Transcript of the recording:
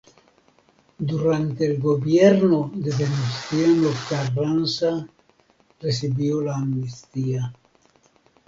Durante el gobierno de Venustiano Carranza recibió la amnistía.